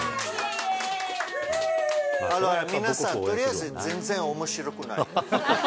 皆さん、とりあえず、全然おもしろくない。